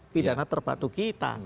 pidana terpadu kita